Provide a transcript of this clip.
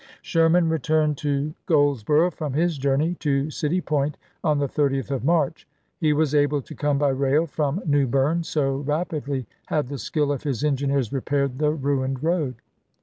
Sherman returned to Golclsboro' from his journey to City Point on the 30th of March ; he was able to come by rail from New Berne, so rapidly had the skill of his engineers repaired the ruined road.